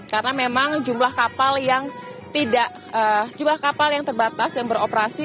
karena memang jumlah kapal yang terbatas dan beroperasi